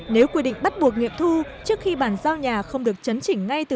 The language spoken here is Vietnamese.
nếu quy định bắt buộc nghiệm thu trước khi bản giao nhà không được tránh